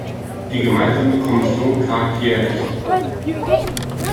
Die Gemeinsame Kommission tagt jährlich.